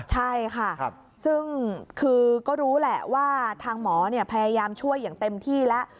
ใช่ค่ะซึ่งคือก็รู้แหละว่าทางหมอพยายามช่วยอย่างเต็มที่แล้ว